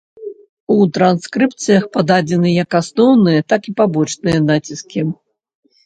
У транскрыпцыях пададзены як асноўныя, так і пабочныя націскі.